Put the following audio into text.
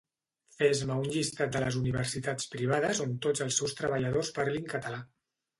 Fes-me un llistat de les Universitats Privades on tots els seus treballadors parlin català